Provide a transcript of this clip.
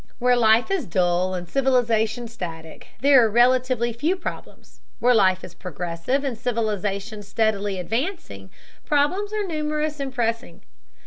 Where life is dull and civilization static, there are relatively few problems; where life is progressive and civilization steadily advancing, problems are numerous and pressing.